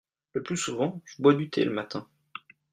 Le plus souvent je bois du thé le matin.